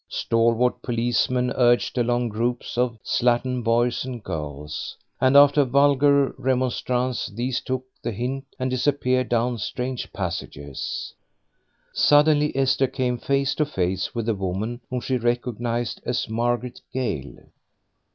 Stalwart policemen urged along groups of slattern boys and girls; and after vulgar remonstrance these took the hint and disappeared down strange passages. Suddenly Esther came face to face with a woman whom she recognised as Margaret Gale.